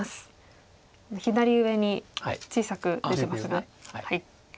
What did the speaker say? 左上に小さく出てますが。